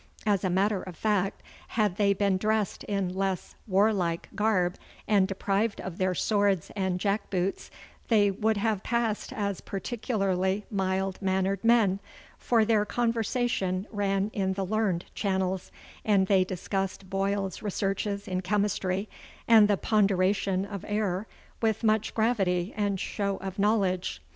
As a matter of fact, had they been dressed in less warlike garb and deprived of their swords and jack boots, they would have passed as particularly mild mannered men, for their conversation ran in the learned channels, and they discussed Boyle's researches in chemistry and the ponderation of air with much gravity and show of knowledge.